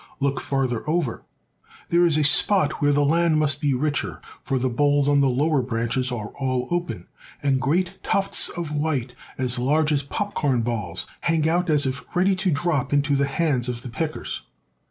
Look farther over. There is a spot where the land must be richer, for the bolls on the lower branches are all open, and great tufts of white, as large as pop corn balls, 112 THE SOUTH. hang out as if ready to drop into the hands of the pickers.